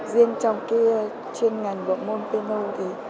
riêng trong cái chuyên ngành bộ môn piano thì